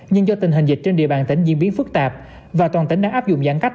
nhưng do tình hình dịch trên địa bàn tỉnh diễn biến phức tạp và toàn tỉnh đang áp dụng giãn cách